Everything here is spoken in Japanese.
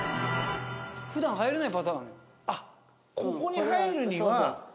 ふだん入れないパターン。